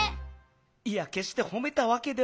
いやけっしてほめたわけでは。